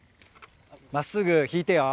真っすぐ引いてよ。